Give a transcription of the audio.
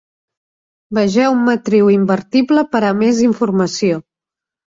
Vegeu matriu invertible per a més informació.